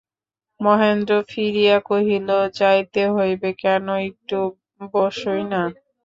মহেন্দ্র ফিরিয়া কহিল, যাইতে হইবে কেন, একটু বোসোই না।